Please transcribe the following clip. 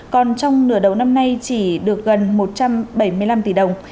còn trong nửa đầu năm nay chỉ được gần một trăm bảy mươi năm tỷ đồng